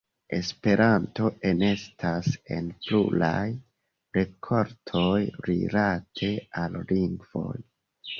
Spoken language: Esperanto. Esperanto enestas en pluraj rekordoj rilate al lingvoj.